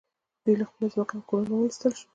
دوی له خپلو ځمکو او کورونو څخه وویستل شول